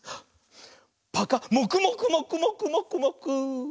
もくもくもくもくもくもく！